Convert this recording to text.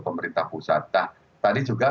pemerintah pusat nah tadi juga